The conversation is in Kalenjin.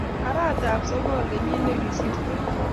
arawetab sogol kenyit negisirtoi